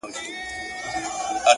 زه هم نه پرېږدم رمې ستا د پسونو -